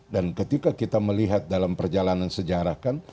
dan ketika kita melihat dalam perjalanan sejarah kan